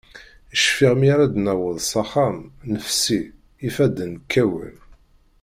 Cfiɣ, mi ara d-naweḍ s axxam, nefsi, ifadden kkawen.